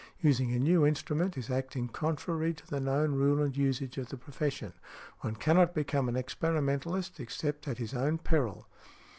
Using a new instrument is acting contrary to the known rule and usage of the profession . One cannot become an experimentalist except at his own peril.